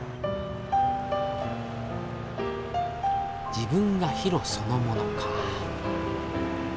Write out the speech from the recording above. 「自分がヒロそのもの」か。